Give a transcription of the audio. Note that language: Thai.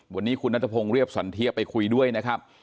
วันนี้คุณนัทพงศ์เรียบสันเทียไปคุยด้วยนะครับ